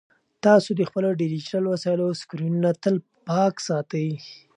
تاسو د خپلو ډیجیټل وسایلو سکرینونه تل پاک ساتئ.